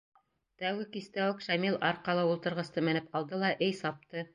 Тәүге кистә үк Шамил арҡалы ултырғысты менеп алды ла эй «сапты».